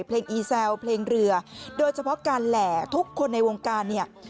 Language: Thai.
อีแซวเพลงเรือโดยเฉพาะการแหล่ทุกคนในวงการเนี่ย